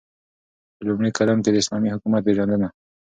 په لومړی قدم كې داسلامي حكومت پيژندنه